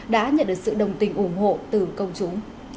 đã nhận được sự đồng tình ủng hộ từ công chúng